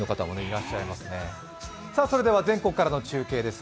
それでは全国からの中継です。